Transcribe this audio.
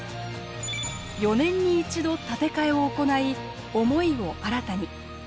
４年に一度建て替えを行い思いを新たに。